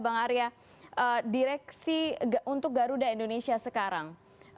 bang arya direksi untuk garuda indonesia sekarang